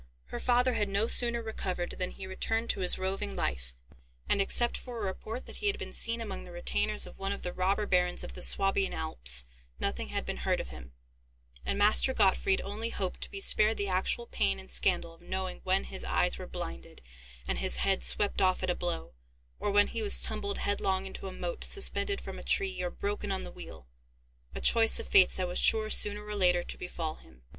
Her father had no sooner recovered than he returned to his roving life, and, except for a report that he had been seen among the retainers of one of the robber barons of the Swabian Alps, nothing had been heard of him; and Master Gottfried only hoped to be spared the actual pain and scandal of knowing when his eyes were blinded and his head swept off at a blow, or when he was tumbled headlong into a moat, suspended from a tree, or broken on the wheel: a choice of fates that was sure sooner or later to befall him.